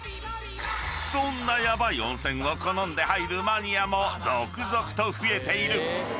［そんなヤバい温泉を好んで入るマニアも続々と増えている］